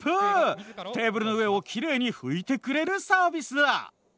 テーブルの上をきれいに拭いてくれるサービスだ。